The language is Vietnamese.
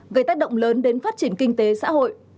gây tác động lớn đến phát triển kinh tế xã hội